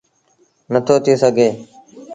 نٿو ٿئي سگھي۔